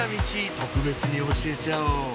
特別に教えちゃおう